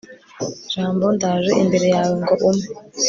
jambo, ndaje imbere yawe, ngo umpe